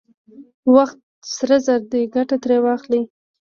وخت سره زر دی، ګټه ترې واخلئ!